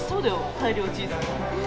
大量チーズ。